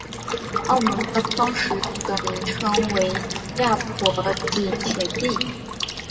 澳门官方使用的名称为亚婆井前地。